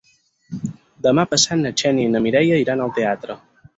Demà passat na Xènia i na Mireia iran al teatre.